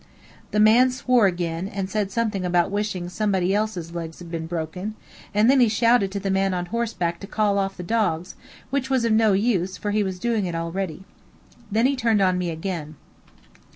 The man swore again, and said something about wishing somebody else's legs had been broken; and then he shouted to the man on horseback to call off the dogs, which was of no use, for he was doing it already. Then he turned on me again.